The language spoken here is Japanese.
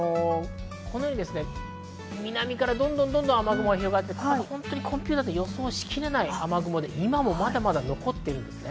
南からどんどん雨雲が広がって、コンピューターで予想しきれない雨雲で、今もまだまだ残っています。